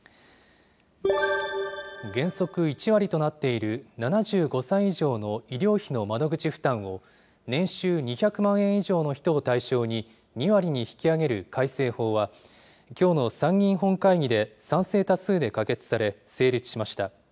原則、１割となっている７５歳以上の医療費の窓口負担を、年収２００万円以上の人を対象に、２割に引き上げる改正法は、きょうの参議院本会議で賛成多数で可決され、成立しました。